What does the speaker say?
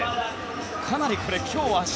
かなり今日、明日